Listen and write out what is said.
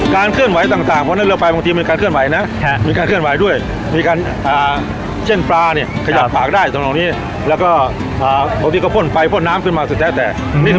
เคลื่อนไหวต่างพอนั่นเรือไปบางทีมีการเคลื่อนไหวนะมีการเคลื่อนไหวด้วยมีการเช่นปลาเนี่ยขยับปากได้สำนองนี้แล้วก็บางทีก็พ่นไปพ่นน้ำขึ้นมาสุดแล้วแต่